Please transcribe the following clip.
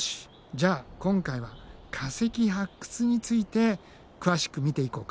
じゃあ今回は化石発掘について詳しく見ていこうか。